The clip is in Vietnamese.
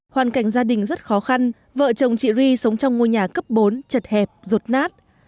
hoàn cảnh gia đình rất khó khăn vợ chồng chị ri sống trong ngôi nhà cấp bốn chật hẹp rột nát